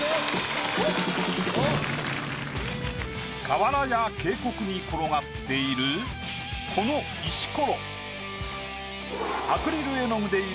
河原や渓谷に転がっているこの石ころ。